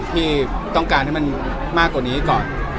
ที่ต้องการให้มันมากกว่านี้ก่อน